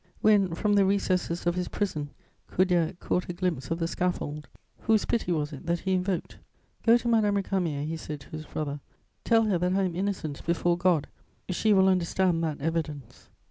"When, from the recesses of his prison, Coudert caught a glimpse of the scaffold, whose pity was it that he invoked? 'Go to Madame Récamier,' he said to his brother 'tell her that I am innocent before God... she will understand that evidence...'